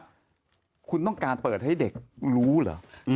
คุณต้องการเปิดให้เด็กรู้เหรอ